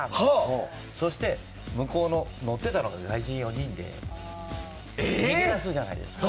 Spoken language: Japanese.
そして、向こうの乗ってたのが外国人４人で逃げ出すじゃないですか。